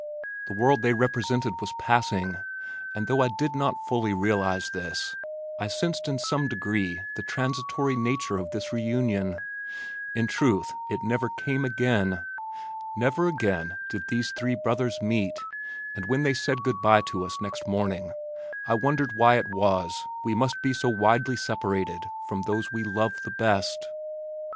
The world they represented was passing and though I did not fully realize this, I sensed in some degree the transitory nature of this reunion. In truth it never came again. Never again did these three brothers meet, and when they said good bye to us next morning, I wondered why it was, we must be so widely separated from those we loved the best.